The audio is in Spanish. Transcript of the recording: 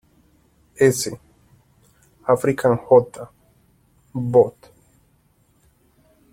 S. African J. Bot.